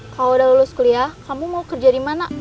kalau udah lulus kuliah kamu mau kerja di mana